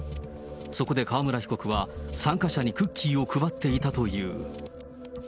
そこで川村被告は、参加者にクッキーを配っていたという。